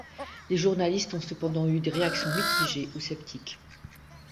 Les journalistes ont cependant eu des réactions mitigées ou sceptiques.